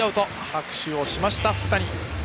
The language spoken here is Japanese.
拍手をしました、福谷。